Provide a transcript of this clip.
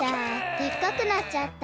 でっかくなっちゃった。